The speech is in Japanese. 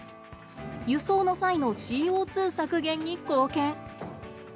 輸送の際のＣＯ削減に貢献。